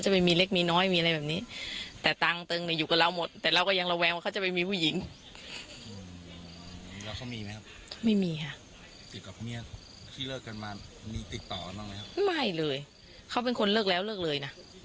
ใช่ก็เมียเก่าเนี่ยทุกวันนี้ก็ยังเจอหน้ากันเลย